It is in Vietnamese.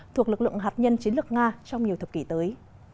thuộc lực lượng hạt nhân chiến lược nga trong nhiều thập kỷ tới